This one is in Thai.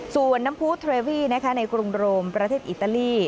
ส่วนน้ำพูเทรวี่ในกรุงโรมประเทศอิตาลี